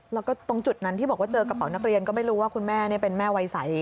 แล้วก็ตรงจุดนั้นที่บอกว่าเจอกระเป๋านักเรียนก็ไม่รู้ว่าคุณแม่เป็นแม่วัยใส